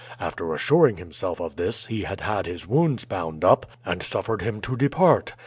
After assuring himself of this he had had his wounds bound up and suffered him to depart.